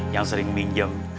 yang sering minjem